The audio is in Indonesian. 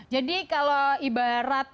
jadi kalau ibarat